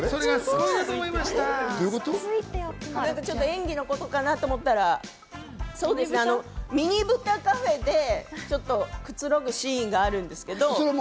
演技のことかなと思ったら、ミニ豚カフェでくつろぐシーンがあるんですけど。